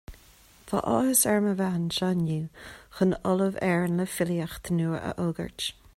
Tá áthas orm a bheith anseo inniú chun ‘Ollamh Éireann le Filíocht’ nua a fhógairt